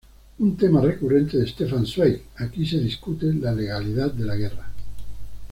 Un tema recurrente de Stefan Zweig, aquí se discute la legalidad de la guerra.